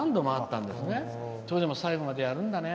それでも最後までやるんだね。